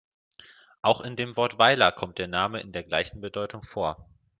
Auch in dem Wort Weiler kommt der Name in der gleichen Bedeutung vor.